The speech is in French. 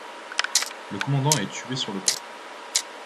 Le commandant est tué sur le coup.